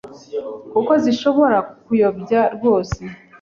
kuko zishobora kukuyobya rwose.